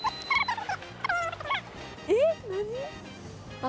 えっ？何？